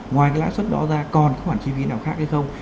ngoài lãi suất đó ra còn khoản chi phí nào khác hay không